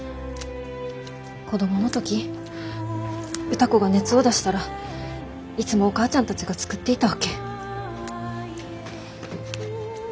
子供の時歌子が熱を出したらいつもお母ちゃんたちが作っていたわけ。